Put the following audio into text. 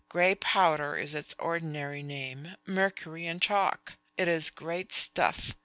Gray powder is its ordinary name mercury and chalk. It is great stuff.